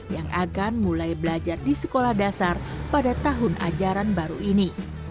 yang akan mulai belajar di sekolah dasar pada tahun ajaran baru ini